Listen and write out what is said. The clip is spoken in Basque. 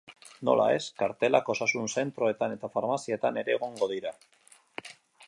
Nola ez, kartelak osasun zentroetan eta farmazietan ere egongo dira.